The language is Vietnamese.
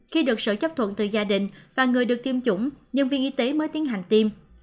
khi được sự chấp thuận từ gia đình và người được tiêm chủng nhân viên y tế mới tiến hành tiêm